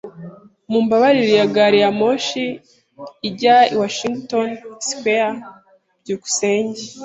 Mumbabarire, iyi gari ya moshi ijya i Washington Square? byukusenge